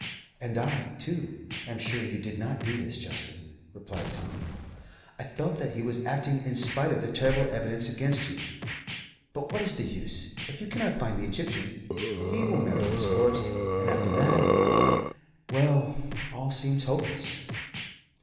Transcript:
"And I, too, am sure you did not do this, Justin," replied Tom. "I felt that he was acting, in spite of the terrible evidence against you. But what is the use? If you cannot find the Egyptian, he will marry Miss Forrest, and after that well, all seems hopeless."